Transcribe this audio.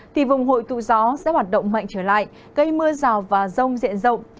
thì vùng hội tụ gió sẽ hoạt động mạnh trở lại gây mưa rào và rông diện rộng